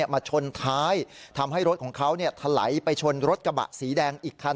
มาชนท้ายทำให้รถของเขาถลายไปชนรถกระบะสีแดงอีกคัน